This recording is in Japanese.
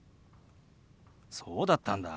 そうだったんだ。